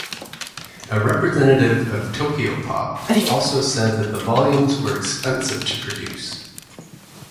A representative of Tokyopop also said that the volumes were expensive to produce.